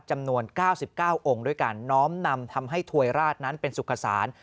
จำนวน๙๙องค์ด้วยกันน้อมนำทำให้ถวยราชนั้นเป็นสุขศาล